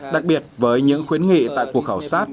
đặc biệt với những khuyến nghị tại cuộc khảo sát